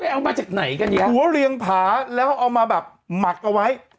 เอามาจากไหนกันเนี่ยหัวเรียงผาแล้วเอามาแบบหมักเอาไว้